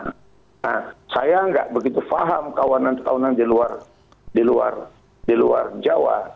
nah saya nggak begitu paham kawanan kawanan di luar jawa